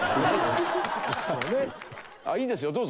ああいいですよどうぞ。